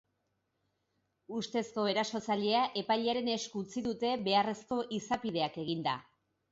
Ustezko erasotzailea epailearen esku utzi dute beharrezko izapideak eginda.